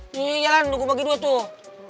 nih jalan duku bagi dua tuh